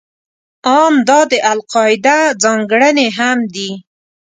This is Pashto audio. ان دا د القاعده ځانګړنې هم دي.